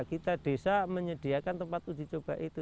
kita desa menyediakan tempat ujicoba itu